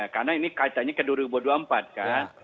karena ini kaitannya ke dua ribu dua puluh empat kan